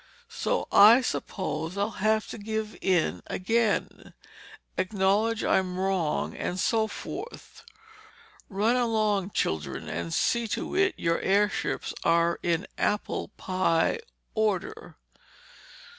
So I suppose I'll have to give in again—acknowledge I'm wrong, and so forth. Run along, children, and see to it your airships are in apple pie order."